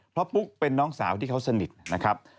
เพราะปุ๊กเป็นน้องสาวที่เขาสนิทนะครับ